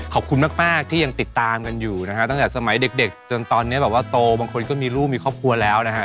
ขอบคุณมากที่ยังติดตามกันอยู่นะฮะตั้งแต่สมัยเด็กจนตอนนี้แบบว่าโตบางคนก็มีลูกมีครอบครัวแล้วนะฮะ